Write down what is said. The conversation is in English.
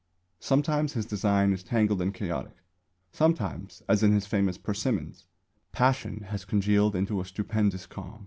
Sometimes his design is tangled and chaotic; sometimes as in his famous "Persimmons," passion has congealed into a stupendous calm.